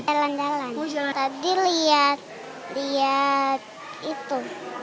jalan jalan tadi lihat lihat itu